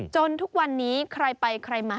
ทุกวันนี้ใครไปใครมา